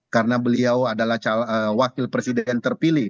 karena beliau adalah wakil presiden terpilih